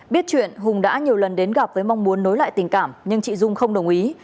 biết chuyện hùng đã nhiều lần đến gặp với mong muốn nối lại tình cảm nhưng chị dung không đồng ý